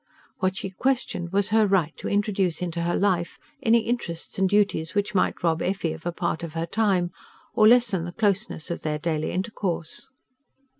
What she questioned was her right to introduce into her life any interests and duties which might rob Effie of a part of her time, or lessen the closeness of their daily intercourse.